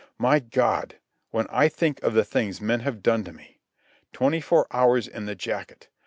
My God—when I think of the things men have done to me! Twenty four hours in the jacket!